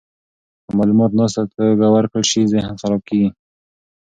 که معلومات ناسمه توګه ورکړل شي، ذهن خراب کیږي.